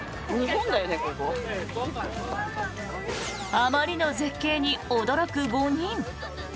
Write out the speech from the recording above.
あまりの絶景に驚く５人。